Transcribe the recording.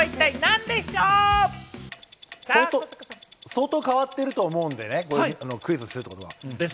相当変わってると思うんでね、クイズにするってことは。